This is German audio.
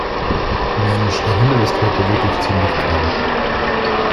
Mensch, der Himmel ist heute wirklich ziemlich grau.